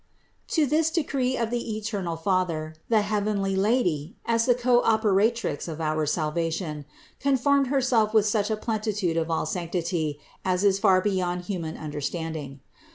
519. To this decree of the eternal Father the heavenly THE INCARNATION 437 Lady, as the Co operatrix of our salvation, conformed Herself with such a plenitude of all sanctity as is far beyond human understanding.